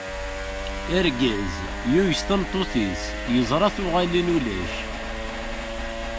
Argaz, yuyes tameṭṭut-is, yeẓra tuɣalin ulac.